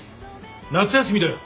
夏休みだよ。